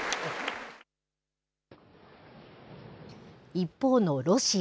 一方のロシア。